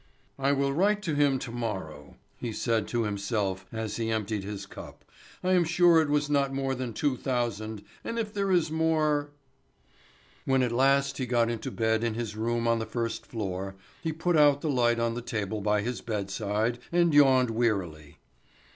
"I will write to him to morrow," he said to himself as he emptied his cup. "I am sure it was not more than two thousand, and if there is more " When at last he got into bed in his room on the first floor, he put out the light on the table by his bedside, and yawned wearily.